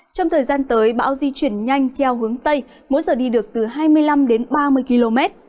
trong thời gian tới bão di chuyển nhanh theo hướng tây mỗi giờ đi được từ hai mươi năm đến ba mươi km